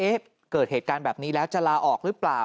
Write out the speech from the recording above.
เกิดเหตุการณ์แบบนี้แล้วจะลาออกหรือเปล่า